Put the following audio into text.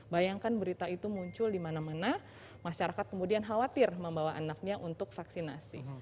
bayangkan berita itu muncul di mana mana masyarakat kemudian khawatir membawa anaknya untuk vaksinasi